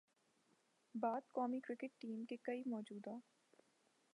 بعد قومی cricket team کے کئی موجودہ